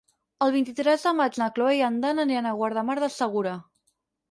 El vint-i-tres de maig na Cloè i en Dan van a Guardamar del Segura.